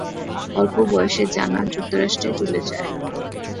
অল্প বয়সে জানা যুক্তরাষ্ট্রে চলে যান।